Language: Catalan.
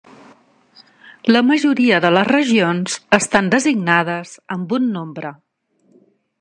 La majoria de les regions estan designades amb un nombre.